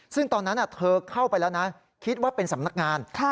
ซึ่งตอนนั้นเธอเข้าไปแล้วนะคิดว่าเป็นสำนักงาน